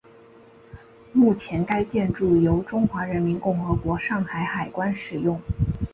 目前该建筑由中华人民共和国上海海关使用。